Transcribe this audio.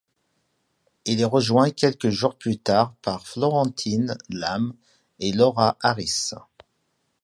Il est rejoint quelques jours plus tard par Florentine Lahme et Laura Harris.